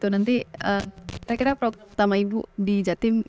saya kira pertama ibu di jatim